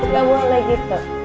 gak boleh gitu